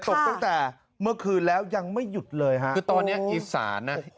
ตกตั้งแต่เมื่อคืนแล้วยังไม่หยุดเลยฮะคือตอนนี้อีสานนะ